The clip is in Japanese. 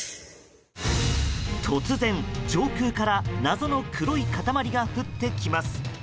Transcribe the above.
突然、上空から謎の黒い塊が降ってきます。